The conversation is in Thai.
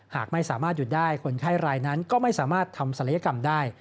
หากไม่สามารถหยุดได้คนไข้รายนั้นก็ไม่สามารถทำศัลยกรรมได้